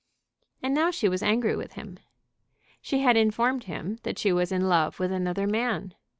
And now she was angry with him. She had informed him that she was in love with another man.